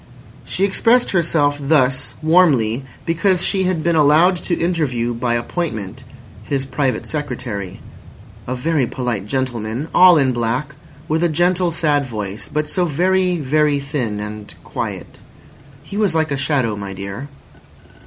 She expressed herself thus warmly because she had been allowed to interview by appointment his Private Secretary—"a very polite gentleman, all in black, with a gentle, sad voice, but so very, very thin and quiet. He was like a shadow, my dear."